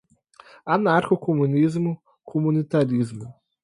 Anarcocomunismo, comunitarismo